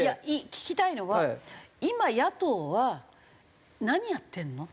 聞きたいのは今野党は何やってるの？